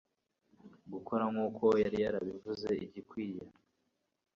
Gukora nkuko yari yarabivuze igikwiye